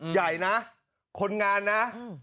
ใหญ่นะคนงานนะ